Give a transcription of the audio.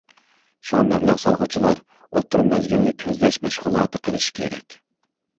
شۇڭا مەبلەغ سالغۇچىلار ئوتتۇرا مەزگىلنى كۆزلەش مەشغۇلاتى قىلىشى كېرەك.